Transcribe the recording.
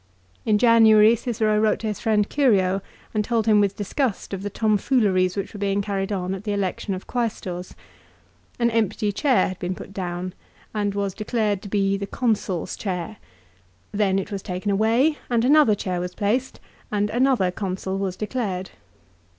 In January Cicero wrote to his friend Curio and told him with disgust of the tomfooleries which were being carried on at the election of Quaestors. An empty chair had been put down and was declared to be the Consul's chair. Then it was taken away, and another chair was placed, and another Consul was declared.